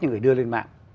những người đưa lên mạng